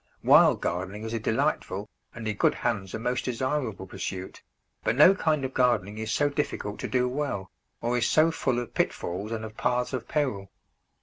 Wild gardening is a delightful, and in good hands a most desirable, pursuit, but no kind of gardening is so difficult to do well, or is so full of pitfalls and of paths of peril.